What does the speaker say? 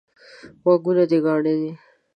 غوږونه دي کاڼه دي؟